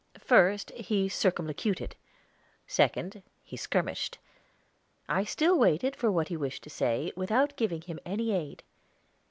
First, he circumlocuted; second, he skirmished. I still waited for what he wished to say, without giving him any aid.